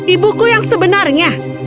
ibuku yang sebenarnya